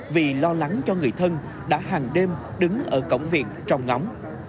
vì lo lắng cho người thân đã hàng đêm đứng ở cổng viện trong ngóng